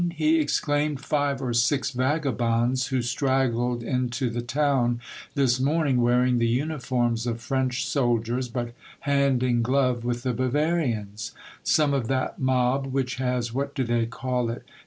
he exclaimed. "Five or six vagabonds who straggled into the town this morning, wearing the uniforms of French soldiers, but hand in glove with the Bavarians : some of that mob which has — what do they call it?